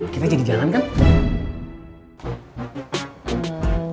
kita jadi jalan kan